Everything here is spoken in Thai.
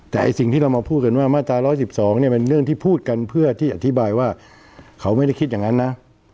แต่สิ่งที่เรามาพูดกันว่ามาตรา๑๑๒เนี่ยเป็นเรื่องที่พูดกันเพื่อที่อธิบายว่าเขาไม่ได้คิดอย่างนั้นนะ